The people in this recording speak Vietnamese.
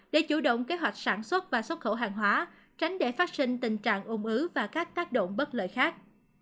để chủ động kế hoạch sản xuất và xuất khẩu hàng hóa tránh để phát sinh tình trạng ung ứ và các tác động bất lợi khác